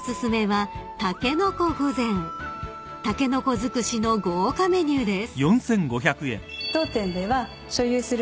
［タケノコ尽くしの豪華メニューです］